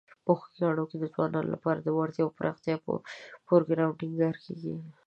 په خوږیاڼي کې د ځوانانو لپاره د وړتیاوو پراختیا پر پروګرامونو ټینګار کیږي.